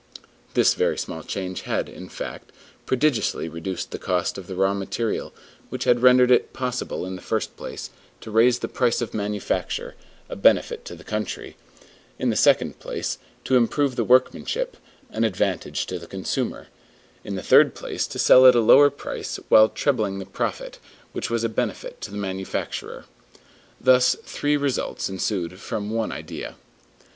This very small change had, in fact, prodigiously reduced the cost of the raw material, which had rendered it possible in the first place, to raise the price of manufacture, a benefit to the country; in the second place, to improve the workmanship, an advantage to the consumer; in the third place, to sell at a lower price, while trebling the profit, which was a benefit to the manufacturer. Thus three results ensued from one idea.